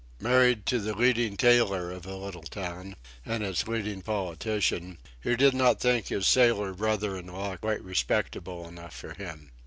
Married to the leading tailor of a little town, and its leading politician, who did not think his sailor brother in law quite respectable enough for him.